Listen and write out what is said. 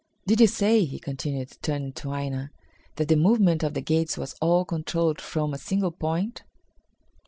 Did you say," he continued, turning to Aina, "that the movement of the gates was all controlled from a single point?"